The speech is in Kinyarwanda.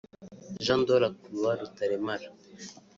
Jean de La Croix Rutaremara